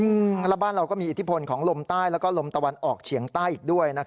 แล้วบ้านเราก็มีอิทธิพลของลมใต้แล้วก็ลมตะวันออกเฉียงใต้อีกด้วย